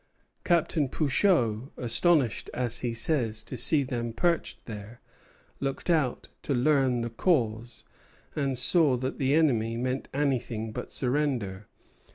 Captain Pouchot, astonished, as he says, to see them perched there, looked out to learn the cause, and saw that the enemy meant anything but surrender.